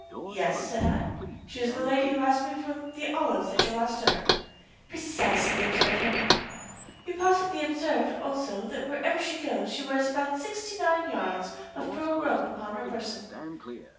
"Yes," said I. "She is the lady who asked me for the olives at your last dinner." "Precisely," observed Henriette. "You possibly observed also that wherever she goes she wears about sixty nine yards of pearl rope upon her person."